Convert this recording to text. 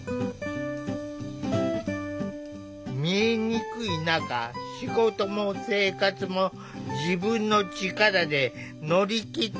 見えにくい中仕事も生活も自分の力で乗り切ってきた。